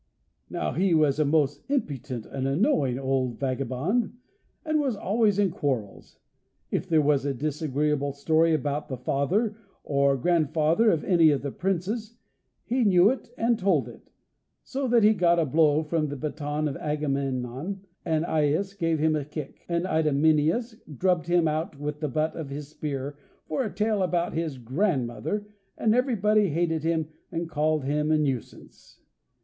Now he was a most impudent and annoying old vagabond, and was always in quarrels. If there was a disagreeable story about the father or grandfather of any of the princes, he knew it and told it, so that he got a blow from the baton of Agamemnon, and Aias gave him a kick, and Idomeneus drubbed him with the butt of his spear for a tale about his grandmother, and everybody hated him and called him a nuisance.